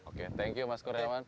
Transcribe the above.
oke terima kasih mas kurniawan